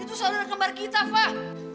itu saudara kembar kita pak